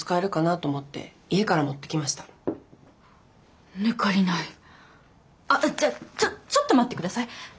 あっじゃちょちょっと待って下さい。